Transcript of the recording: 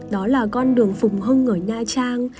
đó là con đường phùng hưng ở nha trang